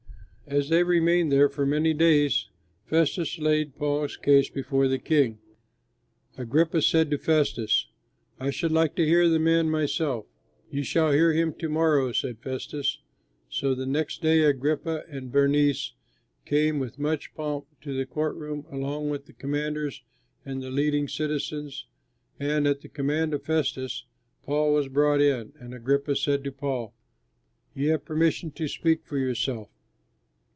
As they remained there for many days, Festus laid Paul's case before the King. Agrippa said to Festus, "I should like to hear the man myself." "You shall hear him to morrow," said Festus. So the next day Agrippa and Bernice came with much pomp to the court room, along with the commanders and the leading citizens; and at the command of Festus Paul was brought in. And Agrippa said to Paul, "You have permission to speak for yourself."